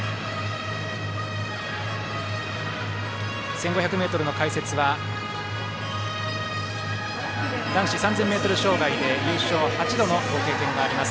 １５００ｍの解説は男子３０００ｍ障害で優勝８度のご経験があります